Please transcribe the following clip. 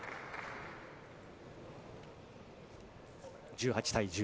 １８対１０。